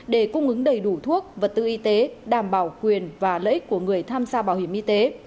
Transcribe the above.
để cung ứng đầy đủ thuốc vật tư y tế đảm bảo quyền và lợi ích của người tham gia bảo hiểm y tế